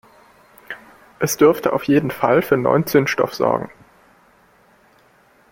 Es dürfte auf jeden Fall für neuen Zündstoff sorgen.